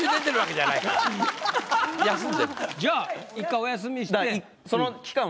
じゃあ１回お休みして。